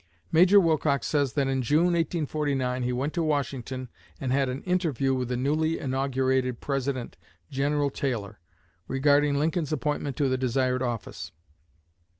Major Wilcox says that in June, 1849, he went to Washington and had an interview with the newly inaugurated President, General Taylor, regarding Lincoln's appointment to the desired office.